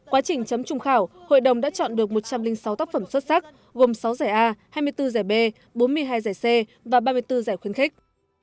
quá trình chấm trung khảo hội đồng đã chọn được một trăm linh sáu tác phẩm xuất sắc gồm sáu giải a hai mươi bốn giải b bốn mươi hai giải c và ba mươi bốn giải khuyến khích